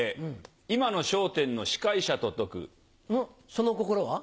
その心は？